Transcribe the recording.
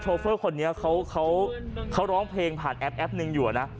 โชเฟอร์คนนี้เขาเขาเขาร้องเพลงผ่านแอปแอปนึงอยู่อะนะ